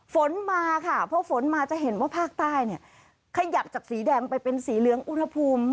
ฝนมาค่ะพอฝนมาจะเห็นว่าภาคใต้เนี่ยขยับจากสีแดงไปเป็นสีเหลืองอุณหภูมิ